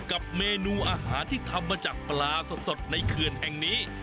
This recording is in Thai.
กับเมนูอาหารที่ทำมาจากปลาสดในเขื่อนแห่งนี้